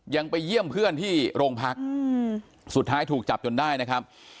ยังไปเยี่ยมเพื่อนที่โรงพักสุดท้ายถูกจับจนได้นะครับ